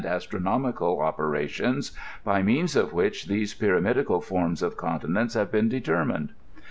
astronomical operations by means of which these pyramidal forms of continents have been determined.